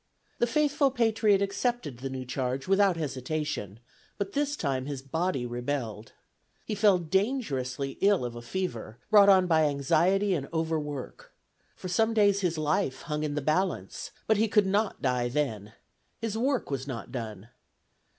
The faithful patriot accepted the new charge without hesitation, but this time his body rebelled. He fell dangerously ill of a fever, brought on by anxiety and over work. For some days his life hung in the balance: but he could not die then. His work was not done.